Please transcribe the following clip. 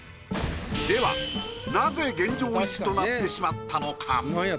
ではなぜ現状維持となってしまったのか？